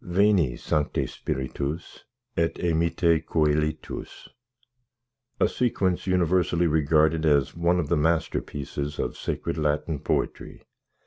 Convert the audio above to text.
VENI, SANCTE SPIRITUS ET EMITTE CŒLITUS A sequence universally regarded as one of the masterpieces of sacred Latin poetry.